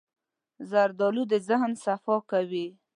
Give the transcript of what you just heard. زردالو د ذهن صفا کوي.